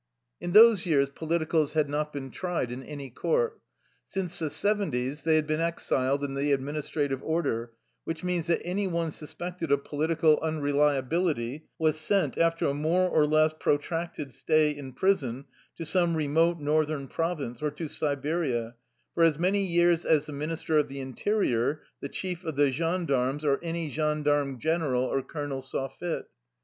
In those years politicals had not been tried in any court. Since the seventies they had been ex iled in the " administrative order,'' which means that any one suspected of " political unreliabil ity " was sent, after a more or less protracted stay in prison, to some remote northern province, or to Siberia, for as many years as the Minister of the Interior, the chief of the gendarmes, or any gendarme general, or colonel saw fit.